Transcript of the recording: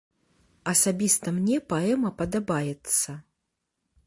Асабіста мне паэма падабаецца.